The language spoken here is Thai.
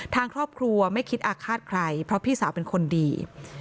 ทางครอบครัวไม่คิดอาฆาตใครเพราะพี่สาวเป็นคนดี